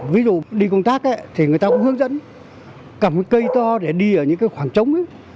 ví dụ đi công tác thì người ta cũng hướng dẫn cầm cái cây to để đi ở những khoảng trống ấy